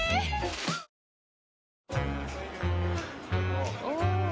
あっおぉ。